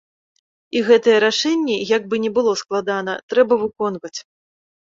І гэтыя рашэнні, як бы ні было складана, трэба выконваць.